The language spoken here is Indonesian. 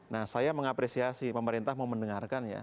nah saya mengapresiasi pemerintah mau mendengarkan ya